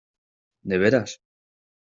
¿ de veras?